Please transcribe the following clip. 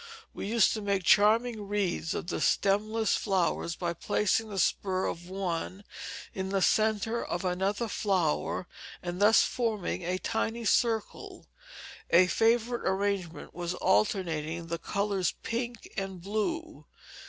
We used to make charming wreaths of the stemless flowers by placing the spur of one in the centre of another flower, and thus forming a tiny circle. A favorite arrangement was alternating the colors pink and blue.